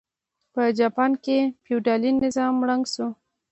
په جاپان کې فیوډالي نظام ړنګ شو.